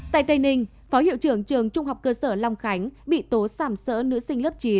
tại tây ninh phó hiệu trưởng trường trung học cơ sở long khánh bị tố sản sỡ nữ sinh lớp chín